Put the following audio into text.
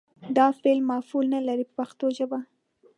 دا فعل مفعول نه لري په پښتو ژبه.